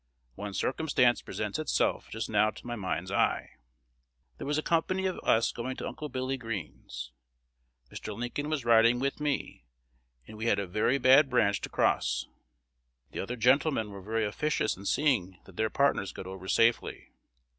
One circumstance presents itself just now to my mind's eye. There was a company of us going to Uncle Billy Greene's. Mr. Lincoln was riding with me; and we had a very bad branch to cross. The other gentlemen were very officious in seeing that their partners got over safely.